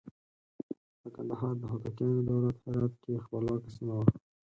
د کندهار د هوتکیانو دولت هرات کې خپلواکه سیمه وه.